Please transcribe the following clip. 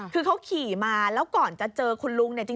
คือเขาขี่มาแล้วก่อนจะเจอคุณลุงเนี่ยจริง